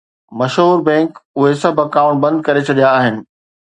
مشهور بئنڪ اهي سڀ اڪائونٽ بند ڪري ڇڏيا آهن